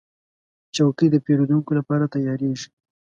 چوکۍ د پیرودونکو لپاره تیارېږي.